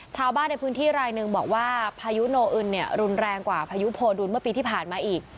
ชาวบ้านในพื้นที่รายหนึ่งบอกว่าพายุโนอึนเนี่ยรุนแรงกว่าพายุโพดุลเมื่อปีที่ผ่านมาอีก